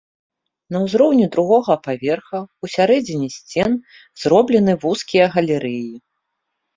На ўзроўні другога паверха ў сярэдзіне сцен зроблены вузкія галерэі.